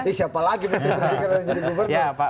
eh siapa lagi menteri berikutnya yang jadi gubernur